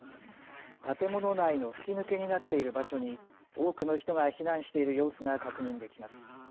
建物内の吹き抜けになっている場所に多くの人が避難している様子が確認できます。